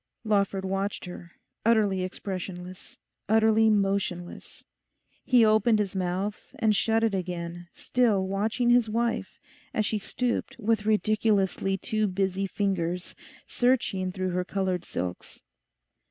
Lawford watched her, utterly expressionless, utterly motionless. He opened his mouth and shut it again, still watching his wife as she stooped with ridiculously too busy fingers, searching through her coloured silks.